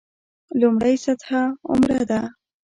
لومړۍ سطح عمره ده.